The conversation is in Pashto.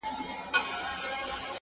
چېرته ليري په شنو غرونو كي ايسار وو؛